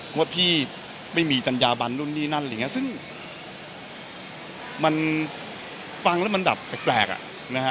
ว่าพี่ไม่มีจัญญาบันนู่นนี่นั่นอะไรอย่างเงี้ยซึ่งมันฟังแล้วมันแบบแปลกอ่ะนะฮะ